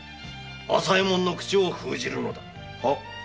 朝右衛門の口を封じるのだ。